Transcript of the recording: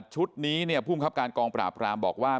ชุดนี้เนี่ยภูมิครับการกองปราบรามบอกว่า